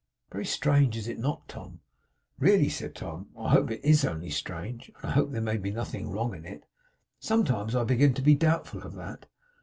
'Very strange. Is it not, Tom?' 'Really,' said Tom, 'I hope it is only strange. I hope there may be nothing wrong in it. Sometimes I begin to be doubtful of that.